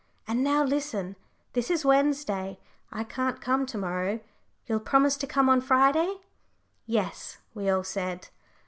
And now listen: this is Wednesday. I can't come to morrow. You'll promise to come on Friday?" "Yes," we all said.